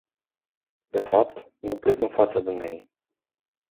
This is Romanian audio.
De fapt, mă plec în fața dumneaei.